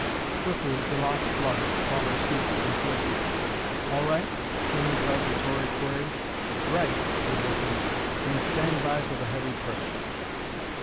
Swiftly the lock flooded, while their suits inflated. "All right?" came his vibratory query. "Right!" they both answered. "Then stand by for the heavy pressure."